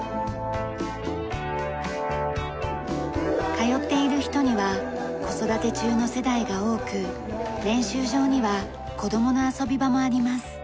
通っている人には子育て中の世代が多く練習場には子供の遊び場もあります。